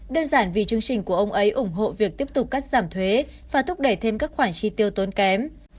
đơn giản vì chương trình của ông ấy ủng hộ việc tiếp tục cắt giảm thuế và thúc đẩy thêm các khoản chi tiêu tốn kém